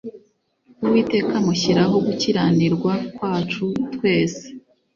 «Uwiteka amushyiraho gukiranirwa kwacu twese.»